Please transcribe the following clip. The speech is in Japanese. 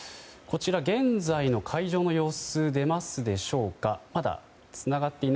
現在の会場の様子出ますでしょうか。